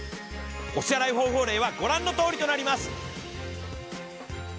お支払い方法例はご覧のとおりとなります。